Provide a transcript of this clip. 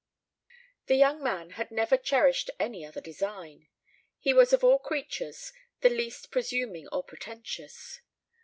The young man had never cherished any other design. He was of all creatures the least presuming or pretentious.